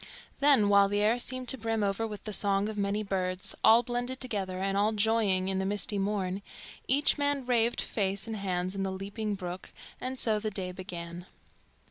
Then, while the air seemed to brim over with the song of many birds, all blended together and all joying in the misty morn, each man raved face and hands in the leaping brook, and so the day began.